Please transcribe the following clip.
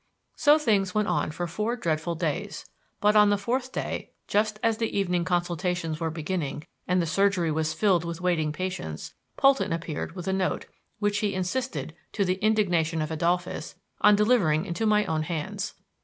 So things went on for four dreadful days. But on the fourth day, just as the evening consultations were beginning and the surgery was filled with waiting patients, Polton appeared with a note, which he insisted, to the indignation of Adolphus, on delivering into my own hands.